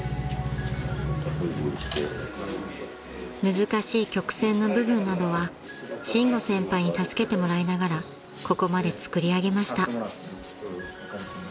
［難しい曲線の部分などは伸吾先輩に助けてもらいながらここまで作り上げました］